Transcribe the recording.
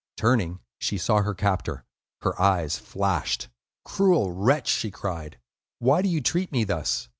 Turning, she saw her captor; her eyes flashed. "Cruel wretch!" she cried. "Why do you treat me thus?